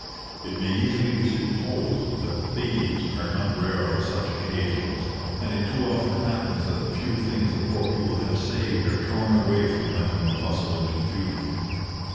It may easily be supposed that thieves are not rare on such occasions, and it too often happens that the few things the poor people have saved are torn away from them in the bustle and confusion.